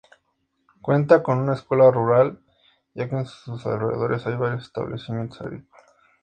Cuenta con una escuela rural, ya que en sus alrededores hay varios establecimientos agrícolas.